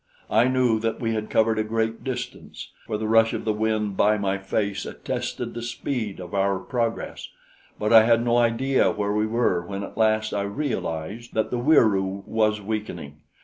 "I knew that we had covered a great distance, for the rush of the wind by my face attested the speed of our progress, but I had no idea where we were when at last I realized that the Wieroo was weakening.